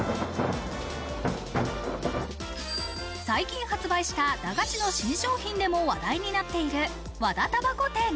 最近発売した、駄菓子の新商品でも話題になっている和田たばこ店。